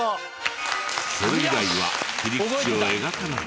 それ以外は切り口を描かない。